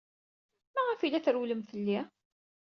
Maɣef ay la trewwlem fell-i?